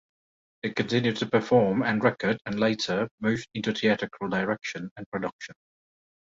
He continued to perform and record and later moved into theatrical direction and production.